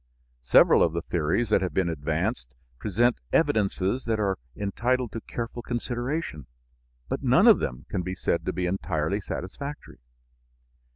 Several of the theories that have been advanced present evidences that are entitled to careful consideration, but none of them can be said to be entirely satisfactory.